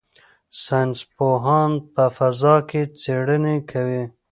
ساینس پوهان په فضا کې څېړنې کوي.